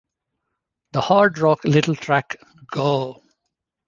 The hard rock title track Go!